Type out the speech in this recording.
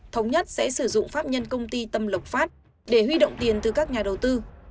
thống nhất sẽ sử dụng pháp nhân công ty tâm lộc phát để huy động tiền từ các nhà đầu tư